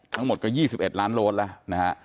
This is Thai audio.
ทั้งหมดก็๒๑ล้านโดสแล้วนะฮะ